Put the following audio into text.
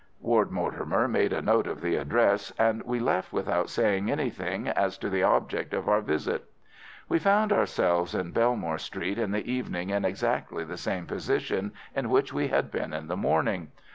Ward Mortimer made a note of the address, and we left without saying anything as to the object of our visit. We found ourselves in Belmore Street in the evening in exactly the same position in which we had been in the morning.